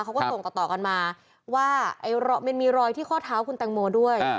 เขาก็ส่งต่อกันมาว่ามันมีรอยที่ข้อเท้าคุณแตงโมด้วย